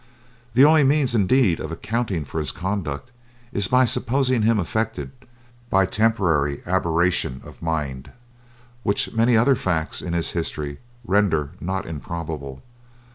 The only means indeed of accounting for his conduct is by supposing him affected by temporary aberration of mind, which many other facts in his history render not improbable.